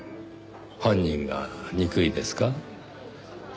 犯人が憎いですか？